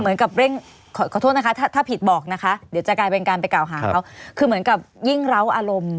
เหมือนกับเร่งขอโทษนะคะถ้าผิดบอกนะคะเดี๋ยวจะกลายเป็นการไปกล่าวหาเขาคือเหมือนกับยิ่งเล้าอารมณ์